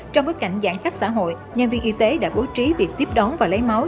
trong bối cảnh giãn cách xã hội nhân viên y tế đã bố trí việc tiếp đón và lấy máu